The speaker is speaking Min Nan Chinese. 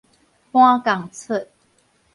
搬仝齣